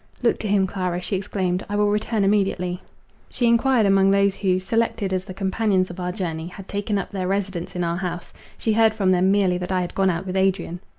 "Look to him, Clara," she exclaimed, "I will return immediately." She inquired among those who, selected as the companions of our journey, had taken up their residence in our house; she heard from them merely that I had gone out with Adrian.